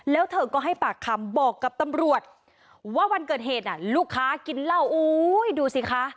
แล้วเธอก็ให้ปากคำบอกกับตำรวจว่าวันเกิดเหตุลูกค้ากินเหล้าโอ้ยดูสิคะ